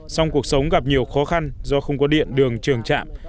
song cuộc sống gặp nhiều khó khăn do không có điện đường trường trạm